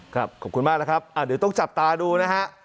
ครับขอบคุณมากแล้วครับอ่าเดี๋ยวต้องจับตาดูนะฮะ